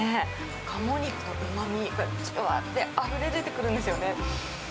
カモ肉のうまみがじゅわって、あふれ出てくるんですよね。